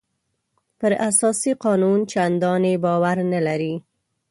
پر اساسي قانون چندانې باور نه لري.